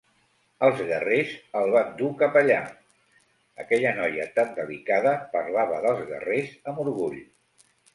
"Els guerrers el van dur cap allà". Aquella noia tan delicada parlava dels guerrers amb orgull.